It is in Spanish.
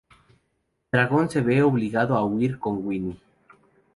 Dragón se ve obligado a huir con Winnie.